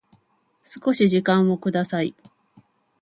少し時間をください